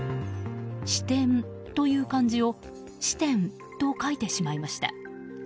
「支店」という漢字を「市店」と書いてしまいました。